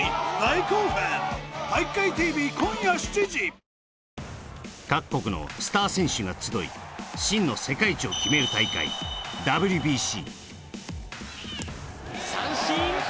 三ツ矢サイダー』各国のスター選手が集い真の世界一を決める大会ＷＢＣ。